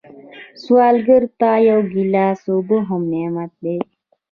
سوالګر ته یو ګیلاس اوبه هم نعمت دی